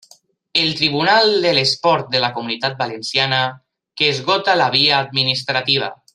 El Tribunal de l'Esport de la Comunitat Valenciana, que esgota la via administrativa.